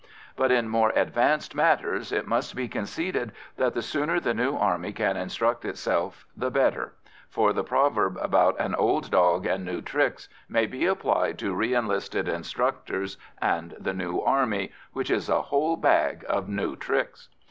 But, in more advanced matters, it must be conceded that the sooner the new army can instruct itself the better, for the proverb about an old dog and new tricks may be applied to re enlisted instructors and the new army, which is a whole bag of new tricks.